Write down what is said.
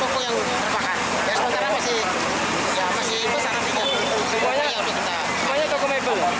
semuanya di sini memang toko mebel